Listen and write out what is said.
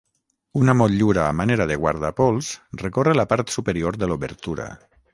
Una motllura a manera de guardapols recorre la part superior de l'obertura.